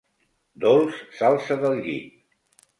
Dols s'alça del llit.